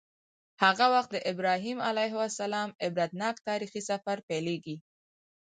هغه وخت د ابراهیم علیه السلام عبرتناک تاریخي سفر پیلیږي.